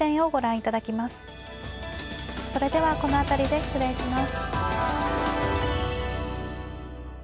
それではこの辺りで失礼します。